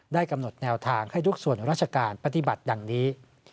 กำหนดแนวทางให้ทุกส่วนราชการปฏิบัติดังนี้